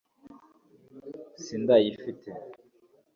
sindayifite